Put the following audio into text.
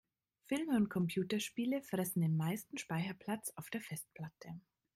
Filme und Computerspiele fressen den meisten Speicherplatz auf der Festplatte.